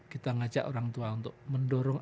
kita ngajak orang tua untuk mendorong